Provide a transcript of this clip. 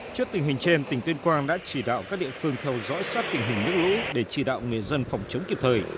trước tình hình trên tỉnh tuyên quang đã chỉ đạo các địa phương theo dõi sát tình hình nước lũ để chỉ đạo người dân phòng chống kịp thời